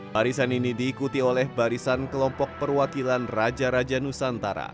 barisan ini diikuti oleh barisan kelompok perwakilan raja raja nusantara